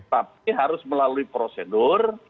tapi harus melalui prosedur